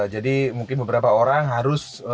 jadi mungkin beberapa orang harus